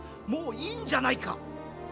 もういいんじゃないか？